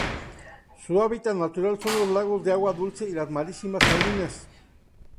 Su hábitat natural son los lagos de agua dulce y las marismas salinas.